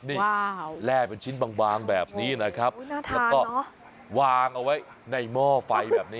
นี่แร่เป็นชิ้นบางแบบนี้นะครับแล้วก็วางเอาไว้ในหม้อไฟแบบนี้